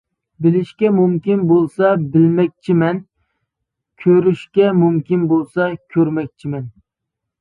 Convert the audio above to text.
بىلىشكە مۇمكىن بولسا بىلمەكچىمەن، كۆرۈشكە مۇمكىن بولسا كۆرمەكچىمەن.